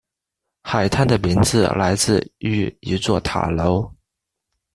海滩的名字来自于一座塔楼。